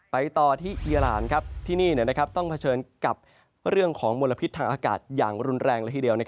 ไปต่อที่อีรานที่นี่ต้องเผชิญกับเรื่องของมลพิษทางอากาศอย่างรุนแรงละทีเดียว